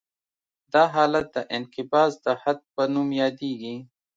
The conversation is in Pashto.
دا حالت د انقباض د حد په نوم یادیږي